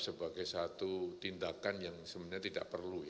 sebagai satu tindakan yang sebenarnya tidak perlu